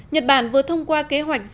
nhật bản vừa thông qua kế hoạch dỡ